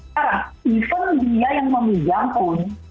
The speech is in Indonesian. karena even dia yang meminjam pun